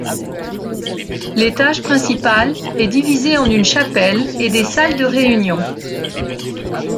L'étage principal est divisé en une chapelle et des salles de réunion.